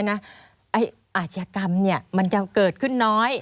อาชญากรรมมันจะเกิดขึ้นน้อย